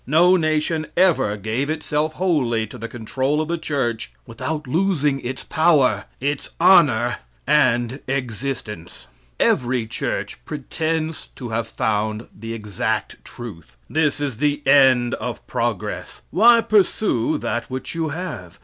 No nation ever gave itself wholly to the control of the church without losing its power, its honor, and existence. Every church pretends to have found the exact truth. This is the end of progress. Why pursue that which you have?